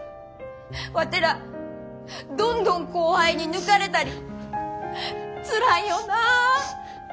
ワテらどんどん後輩に抜かれたりつらいよなあ。